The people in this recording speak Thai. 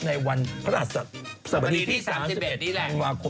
ในวันพระสบดีที่๓๑นี้แหละ